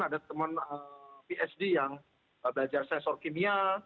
ada teman psd yang belajar sensor kimia